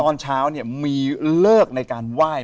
ตอนเช้าเนี่ยมีเลิกในการไหว้